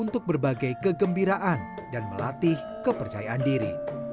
untuk berbagai kegembiraan dan melatih kepercayaan diri